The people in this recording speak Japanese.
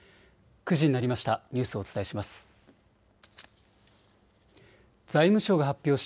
９時になりました。